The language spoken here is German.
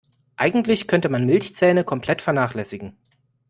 Eigentlich könnte man Milchzähne komplett vernachlässigen.